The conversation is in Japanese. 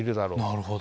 なるほど。